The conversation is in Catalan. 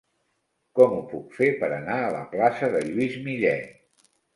Com ho puc fer per anar a la plaça de Lluís Millet?